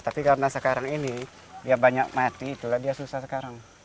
tapi karena sekarang ini dia banyak mati itulah dia susah sekarang